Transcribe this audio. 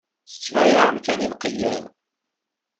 Tettbayaεem kan i lqeyyad.